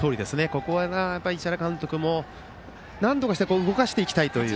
ここが市原監督も、なんとかして動かしていきたいという。